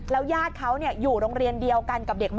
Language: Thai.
แล้วยาดเขาอยู่โรงเรียนเดียวกันกับเด็กม๒